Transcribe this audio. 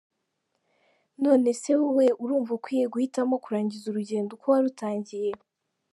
Nonese wowe urumva ukwiye guhitamo kurangiza urugendo uko warutangiye?